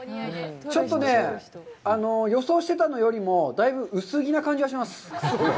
ちょっとね、予想してたのよりも、だいぶ薄着な感じがします。